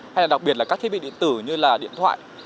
hay là đặc biệt là các thiết bị điện tử như là điện thoại